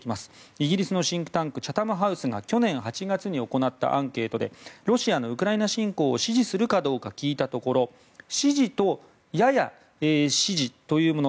イギリスのシンクタンクチャタムハウスが去年８月にに行ったアンケートでロシアのウクライナ侵攻を支持するかどうか聞いたところ支持とやや支持というもの。